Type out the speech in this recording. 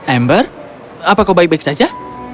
ember apa kau baik baik saja